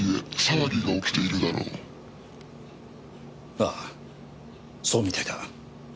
ああそうみたいだ。